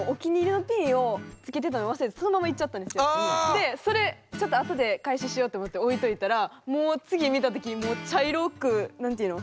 でそれちょっとあとで回収しようって思って置いといたらもう次見た時に茶色く何て言うの？